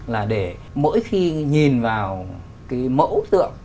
là để mỗi khi nhìn vào cái mẫu tượng